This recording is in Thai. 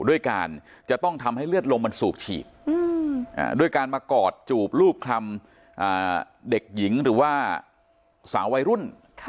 ด้วยการจะต้องทำให้เลือดลมมันสูบฉีดด้วยการมากอดจูบรูปคลำเด็กหญิงหรือว่าสาววัยรุ่น